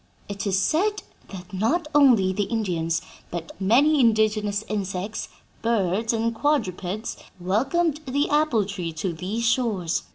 It is said that 'not only the Indians, but many indigenous insects, birds and quadrupeds, welcomed the apple tree to these shores.